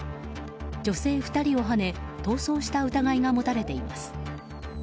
女性２人をはね逃走した疑いが持たれています。